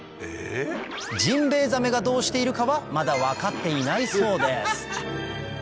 ジンベエザメがどうしているかはまだ分かっていないそうです